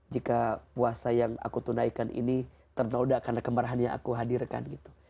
jika puasa yang aku tunaikan ini ternoda karena kemarahan yang aku hadirkan gitu